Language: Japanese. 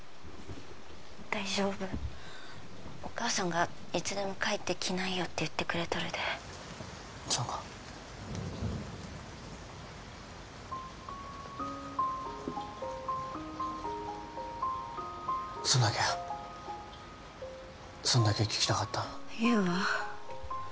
大丈夫お母さんがいつでも帰ってきないよって言ってくれとるでそうかそんだけやそんだけ聞きたかった優は？